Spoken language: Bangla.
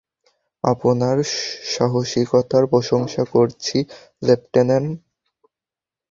আপনার সাহসিকতার প্রশংসা করছি, লেফটেন্যান্ট।